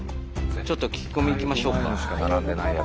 ちょっと聞き込み行きましょうか。